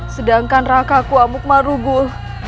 sedangkan raka kuamuk marugul